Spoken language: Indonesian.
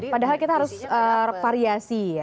padahal kita harus variasi ya